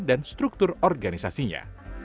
dan struktur organisasinya